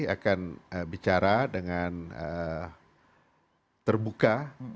akan bicara dengan terbuka